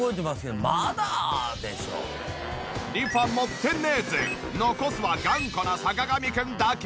リファ持ってネーゼ残すは頑固な坂上くんだけ。